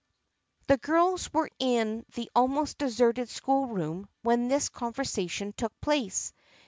The girls were in the almost deserted school room when this conversation took place.